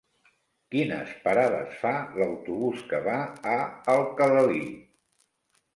Quines parades fa l'autobús que va a Alcalalí?